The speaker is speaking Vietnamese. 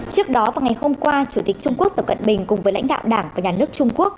trước đó vào ngày hôm qua chủ tịch trung quốc tập cận bình cùng với lãnh đạo đảng và nhà nước trung quốc